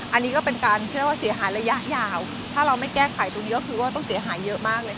อันนี้ก็เป็นการเชื่อว่าเสียหายระยะยาวถ้าเราไม่แก้ไขตรงนี้ก็คือว่าต้องเสียหายเยอะมากเลยค่ะ